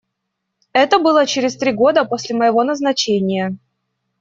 Это было через три года после моего назначения.